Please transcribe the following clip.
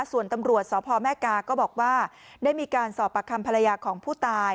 ส่วนตำรวจสพแม่กาก็บอกว่าได้มีการสอบปากคำภรรยาของผู้ตาย